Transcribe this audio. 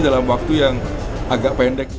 dalam waktu yang agak pendek